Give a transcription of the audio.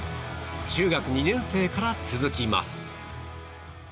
中学２年生から続きます。